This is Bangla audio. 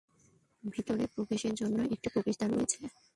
ভিতরে প্রবেশের জন্য একটি প্রবেশদ্বার রয়েছে।